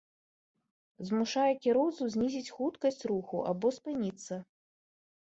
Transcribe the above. змушае кіроўцу знізіць хуткасць руху або спыніцца